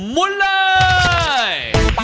มุนเลย